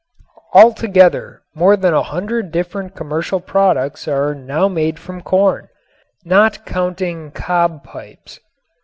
Altogether more than a hundred different commercial products are now made from corn, not counting cob pipes.